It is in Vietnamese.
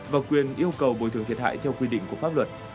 và quyền yêu cầu bồi thường thiệt hại theo quy định của pháp luật